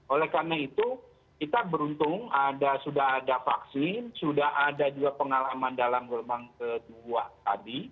oleh karena itu kita beruntung sudah ada vaksin sudah ada juga pengalaman dalam gelombang kedua tadi